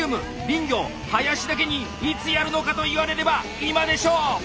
林業林だけに「いつやるのか」と言われれば今でしょう！